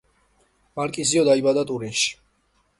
მარკიზიო დაიბადა ტურინში.